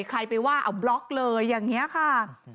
ใครไปว่าเอาบล็อกเลยอย่างนี้ค่ะ